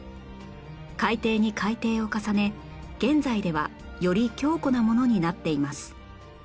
改訂に改訂を重ね現在ではより強固なものになっています